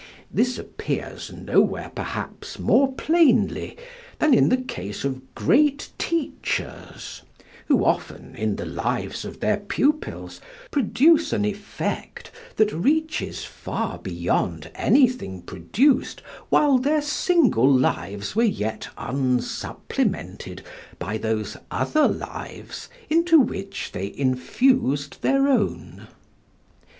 This appears nowhere perhaps more plainly than in the case of great teachers, who often in the lives of their pupils produce an effect that reaches far beyond anything produced while their single lives were yet unsupplemented by those other lives into which they infused their own.